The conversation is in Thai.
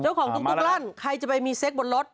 ของตุ๊กลั่นใครจะไปมีเซ็กบนรถ